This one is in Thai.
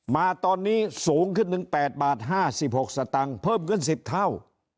มาตอนนี้สูงขึ้นหนึ่ง๘บาท๕๖สตังค์เพิ่มขึ้น๑๐เท่า